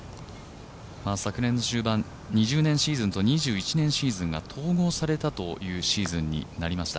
昨年、中盤、２０年シーズンと２１年シーズンが統合されたというシーズンになりました。